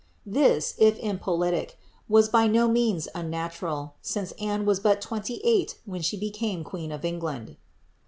This, if impolitic, was by no means unnatural, since Anne was but tweuty eight when she became queen of England.